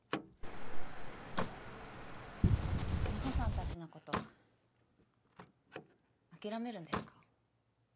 真帆さんたちのこと諦めるんですか？